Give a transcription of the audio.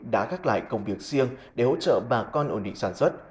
đã gác lại công việc riêng để hỗ trợ bà con ổn định sản xuất